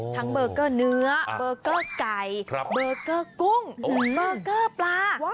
เบอร์เกอร์เนื้อเบอร์เกอร์ไก่เบอร์เกอร์กุ้งเบอร์เกอร์ปลา